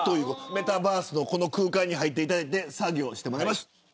メタバースの空間に入って作業してもらいます。